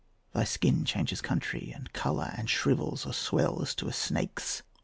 Thy skin changes country and colour, And shrivels or swells to a snake's.